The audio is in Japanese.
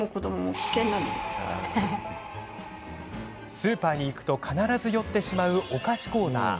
スーパーに行くと必ず寄ってしまうお菓子コーナー。